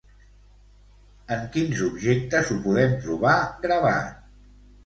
En quins objectes ho podem trobar gravat?